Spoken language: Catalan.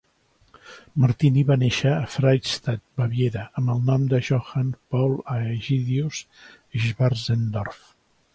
Martini va néixer a Freystadt, Baviera, amb el nom de Johann Paul Aegidius Schwarzendorf .